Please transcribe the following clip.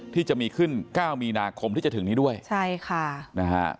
ที่จะมีขึ้น๙มีนาคมที่จะถึงด้วยใช่ค่ะใช่ค่ะ